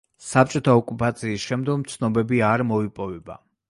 საბჭოთა ოკუპაციის შემდგომ ცნობები არ მოიპოვება.